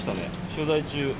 取材中。